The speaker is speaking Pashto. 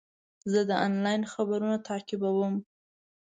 زه د انلاین خپرونه تعقیبوم.